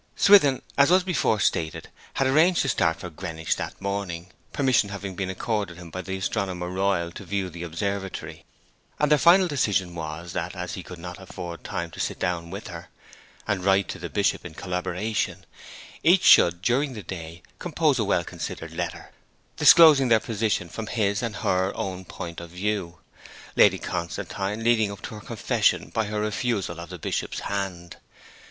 Swithin, as was before stated, had arranged to start for Greenwich that morning, permission having been accorded him by the Astronomer Royal to view the Observatory; and their final decision was that, as he could not afford time to sit down with her, and write to the Bishop in collaboration, each should, during the day, compose a well considered letter, disclosing their position from his and her own point of view; Lady Constantine leading up to her confession by her refusal of the Bishop's hand.